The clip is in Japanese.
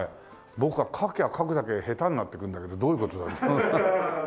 僕は書きゃ書くだけ下手になっていくんだけどどういう事だろう？